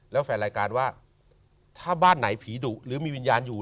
แล้วแฟนรายการว่าถ้าบ้านไหนผีดุหรือมีวิญญาณอยู่